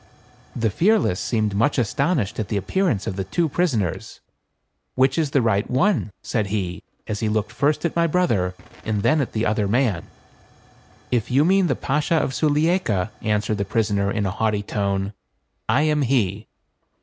The Fearless seemed much astonished at the appearance of the two prisoners. " Which is the right one ?" said he, as he looked first at my brother, and then at the other man. " If you mean the Bashaw of Sulieika," answered the prisoner, in a haughty tone, "I am he."